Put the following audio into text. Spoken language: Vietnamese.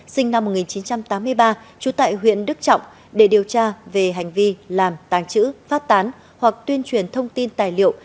sinh năm một nghìn chín trăm tám mươi ba trú tại huyện đức trọng để điều tra về hành vi làm tàng trữ phát tán hoặc tuyên truyền thông tin tài liệu